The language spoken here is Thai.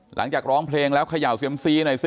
หลังจากร้องเพลงแล้วเขย่าเซียมซีหน่อยสิ